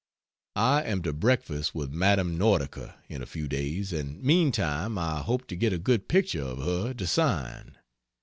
I am to breakfast with Madame Nordica in a few days, and meantime I hope to get a good picture of her to sign.